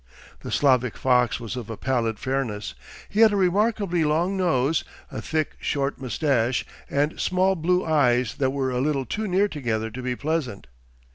The Slavic fox was of a pallid fairness, he had a remarkably long nose, a thick, short moustache, and small blue eyes that were a little too near together to be pleasant.